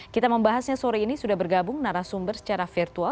kita membahasnya sore ini sudah bergabung narasumber secara virtual